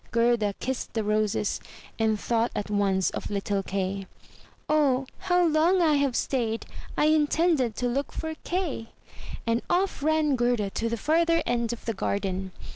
Gerda kissed the roses, and thought at once of little Kay. "O how long I have stayed! I intended to look for Kay!" And off ran Gerda to the further end of the garden.